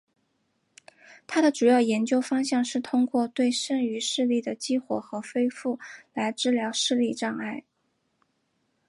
他的主要研究方向是通过对剩余视力的激活和恢复来治疗视力障碍。